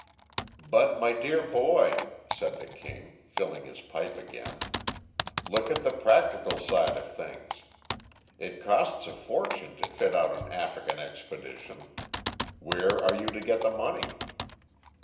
"But, my dear boy," said the King, filling his pipe again, "look at the practical side of things. It costs a fortune to fit out an African expedition. Where are you to get the money?"